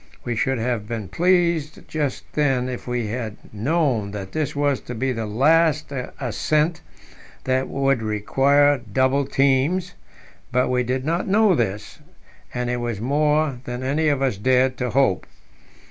We should have been pleased just then if we had known that this was to be the last ascent that would require double teams; but we did not know this, and it was more than any of us dared to hope.